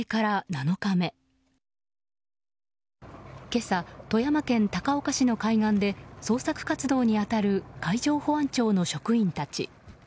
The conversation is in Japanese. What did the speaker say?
今朝、富山県高岡市の海岸で捜索活動に当たる海上保安庁の職員たち。